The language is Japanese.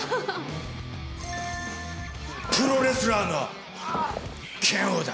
プロレスラーの拳王だ。